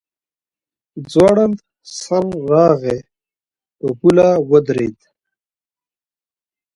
ځوړند سر راغی په پوله ودرېد.